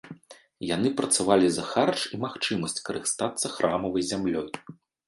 Яны працавалі за харч і магчымасць карыстацца храмавай зямлёй.